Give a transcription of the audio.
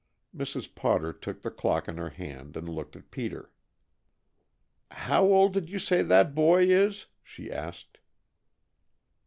Mrs. Potter took the clock in her hand and looked at Peter. "How old did you say that boy is?" she asked.